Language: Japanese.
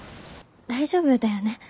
大丈夫だよね？